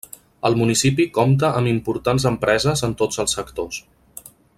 El municipi compta amb importants empreses en tots els sectors.